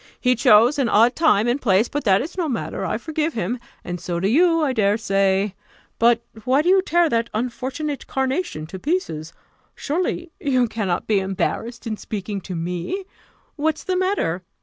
He chose an odd time and place; but that is no matter; I forgive him, and so do you, I dare say. But why do you tear that unfortunate carnation to pieces? Surely you cannot be embarrassed in speaking to me! What's the matter?